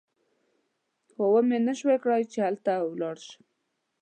خو ومې نه شوای کړای چې هلته ولاړ شم.